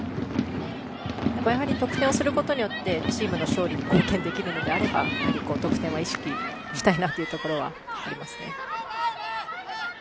やはり得点をすることでチームの勝利に貢献できるのであれば得点は意識したいなというところはありますね。